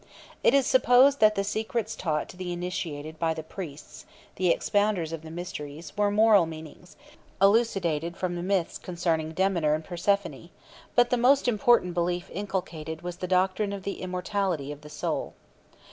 It is supposed that the secrets taught to the initiated by the priests the expounders of the Mysteries were moral meanings, elucidated from the myths concerning Demeter and Persephone; but the most important belief inculcated was the doctrine of the immortality of the soul.